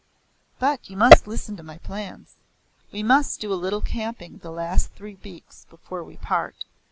"But you must listen to my plans. We must do a little camping the last three weeks before we part.